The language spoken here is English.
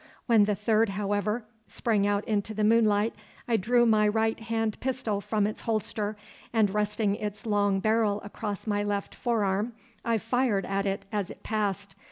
When the third, however, sprang out into the moonlight, I drew my right hand pistol from its holster, and resting its long barrel across my left forearm, I fired at it as it passed.